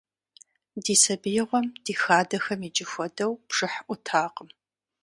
Ди сабиигъуэм ди хадэхэм иджы хуэдэу бжыхь Ӏутакъым.